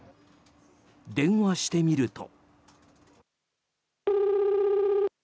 電話してみると。